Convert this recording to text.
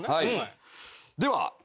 では